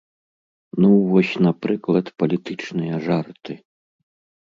Ну, вось напрыклад палітычныя жарты.